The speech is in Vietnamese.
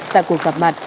tại cuộc gặp mặt